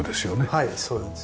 はいそうなんです。